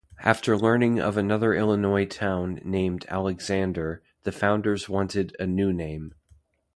After learning of another Illinois town named Alexander, the founders wanted a new name.